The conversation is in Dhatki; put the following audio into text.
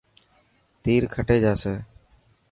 تير کٽي جاسي.